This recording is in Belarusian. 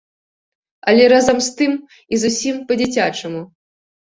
Але разам з тым і зусім па-дзіцячаму.